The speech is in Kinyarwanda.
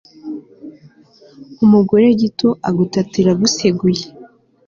umugore gito agutatira aguseguye